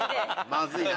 まずいな。